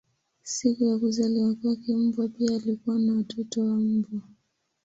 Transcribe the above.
Siku ya kuzaliwa kwake mbwa pia alikuwa na watoto wa mbwa.